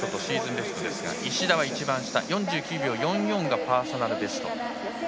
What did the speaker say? ベストですが石田は一番下４９秒４４がパーソナルベスト。